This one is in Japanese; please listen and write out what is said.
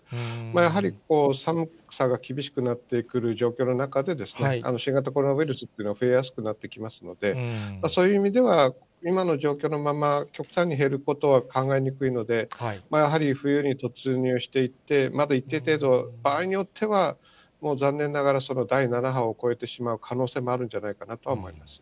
やはり寒さが厳しくなってくる状況の中で、新型コロナウイルスというのは増えやすくなってきますので、そういう意味では、今の状況のまま極端に減ることは考えにくいので、やはり冬に突入していって、まだ一定程度、場合によっては、もう残念ながら、第７波を超えてしまう可能性もあるんじゃないかなとは思います。